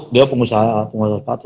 dia pengusaha pengusaha sepatu